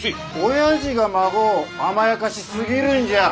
親父が孫を甘やかしすぎるんじゃあ。